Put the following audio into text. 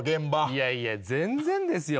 いやいや全然ですよ